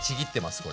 これ。